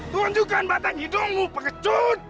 tunjukkan batang hidungmu pengecut